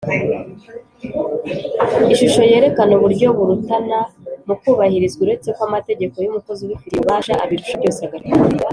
iyishusho yerekana uburyo burutana mukubahirizwa uretse ko amategeko y’umukozi ubifitiye ububasha abirusha byose agaciro